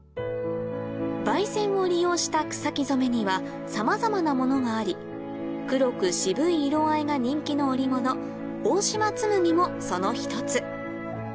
媒染を利用した草木染めにはさまざまなものがあり黒く渋い色合いが人気の織物大島紬もその一つ